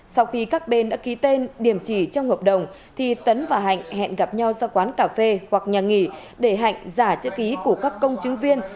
sau khi các bên đã ký tên điểm chỉ trong hợp đồng thì tấn và hạnh hẹn gặp nhau ra quán cà phê hoặc nhà nghỉ để hạnh giả chữ ký của các công chứng viên